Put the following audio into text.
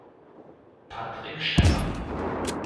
Patrick Stefan